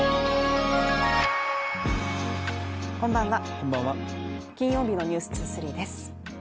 こんばんは、金曜日の「ｎｅｗｓ２３」です。